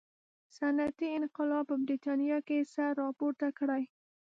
صنعتي انقلاب په برېټانیا کې سر راپورته کړي.